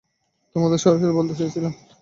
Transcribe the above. তোমাকে সরাসরি বলতে চেয়েছিলাম।